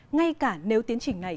ngay cả nếu tiến trình này